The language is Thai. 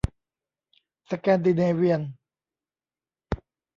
สแกนดิเนเวียน